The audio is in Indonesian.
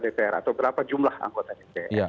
dpr atau berapa jumlah anggota dpr